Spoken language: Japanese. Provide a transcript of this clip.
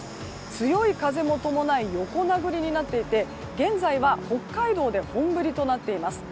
強い風も伴い横殴りになっていて現在は北海道で本降りとなっています。